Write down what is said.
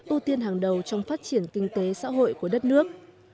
ưu tiên hàng đầu trong phát triển kinh tế xã hội của đất nước